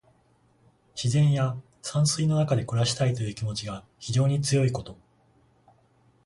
自然や山水の中で暮らしたいという気持ちが非常に強いこと。